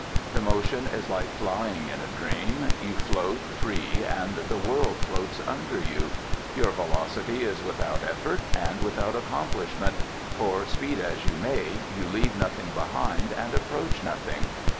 The motion is like flying in a dream; you float free and the world floats under you; your velocity is without effort and without accomplishment, for, speed as you may, you leave nothing behind and approach nothing.